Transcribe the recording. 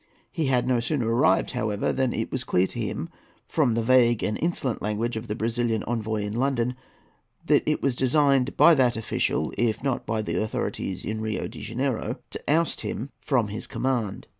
He had no sooner arrived, however, than it was clear to him, from the vague and insolent language of the Brazilian envoy in London, that it was designed by that official, if not by the authorities in Rio de Janeiro, to oust him from his command.